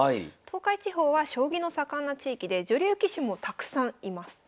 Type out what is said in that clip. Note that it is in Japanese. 東海地方は将棋の盛んな地域で女流棋士もたくさんいます。